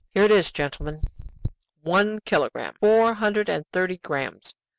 "Here it is, gentlemen; one kilogramme, four hundred and thirty grammes.